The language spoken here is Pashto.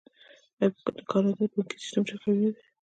آیا د کاناډا بانکي سیستم ډیر قوي نه دی؟